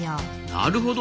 なるほど。